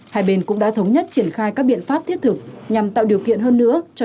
hai bên cũng đã thống nhất triển khai các biện pháp thiết thực nhằm tạo điều kiện hơn nữa cho